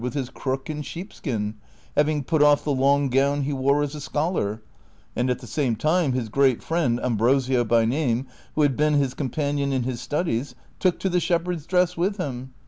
73 with his crook and sheepskin, having put off the long gown he wore as a scholar ; and at the same time his great friend, Ambrosio by name, who had been his companion in his studies, took to the shepherd's dress with him.